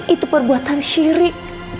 itu perbuatan syirik